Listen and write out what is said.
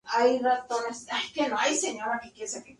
Hay muchas especies de insectos y otros invertebrados.